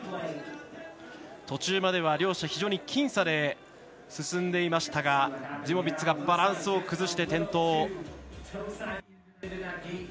途中までは両者非常に僅差で進んでいましたがデュモビッツがバランスを崩して転倒。